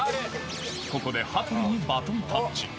ここで羽鳥にバトンタッチ。